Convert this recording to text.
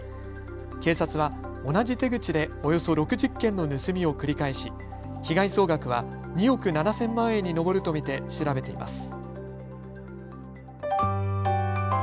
警察は同じ手口でおよそ６０件の盗みを繰り返し被害総額は２億７０００万円に上ると見て調べています。